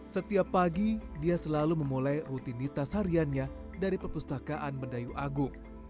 setiap pagi dia selalu memulai rutinitas hariannya dari perpustakaan mendayu agung